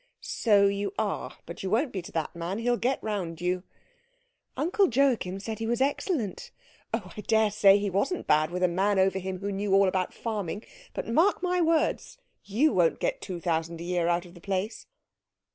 "So you are. But you won't be to that man. He'll get round you." "Uncle Joachim said he was excellent." "Oh, I daresay he wasn't bad with a man over him who knew all about farming, but mark my words, you won't get two thousand a year out of the place."